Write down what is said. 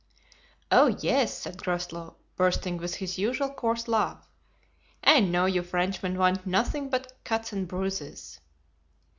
"Oh! yes," said Groslow, bursting with his usual coarse laugh, "I know you Frenchmen want nothing but cuts and bruises."